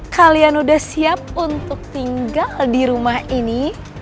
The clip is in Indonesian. kalian sudah siap untuk tinggal di rumah ini